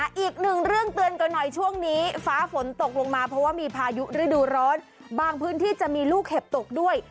อีกหนึ่งเรื่องเตือนกันหน่อยช่วงนี้ฟ้าฝนตกลงมาเพราะว่ามีพายุฤดูร้อนบางพื้นที่จะมีลูกเห็บตกด้วย